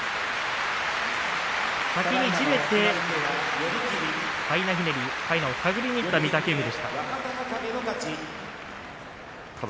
先にじれて、かいなひねりかいなを手繰りにいった御嶽海でした。